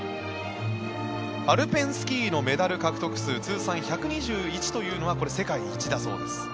アルペンスキーのメダル獲得数通算１２１というのはこれは世界一だそうです。